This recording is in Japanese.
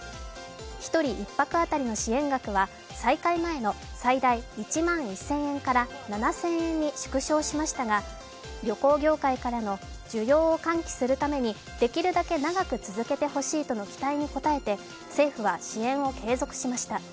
１人１泊当たりの支援額は再開前の最大１万１０００円から７０００円に縮小しましたが旅行業界からの需要を喚起するためにできるだけ長く続けてほしいとの期待に応えて政府は支援を継続しました。